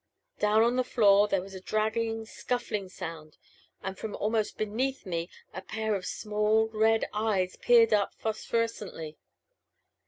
Down on the floor there was a dragging, scuffling sound, and from almost beneath me a pair of small red eyes peered up phosphorescently.